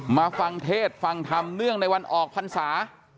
มาฟังเทศฟังธรรมเนื่องในวันออกพรรษา